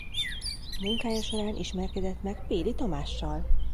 Munkája során ismerkedett meg Péli Tamással.